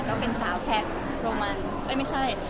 ก็เป็นสาวแคทโรมันเอ้ยไม่ใช่